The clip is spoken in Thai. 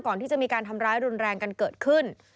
ก่อนที่จะมีการทำร้ายรุนแรงกันเกิดขึ้น